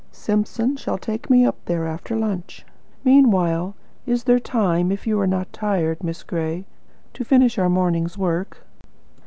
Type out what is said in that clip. "Simpson shall take me up there after lunch. Meanwhile, is there time, if you are not tired, Miss Gray, to finish our morning's work?"